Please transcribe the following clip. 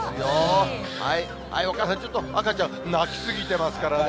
お母さん、ちょっと赤ちゃん、泣き過ぎてますからね。